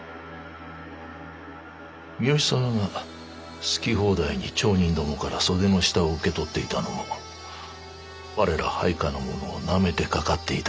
三好様が好き放題に町人どもから袖の下を受け取っていたのも我ら配下の者をなめてかかっていたからでしょうな。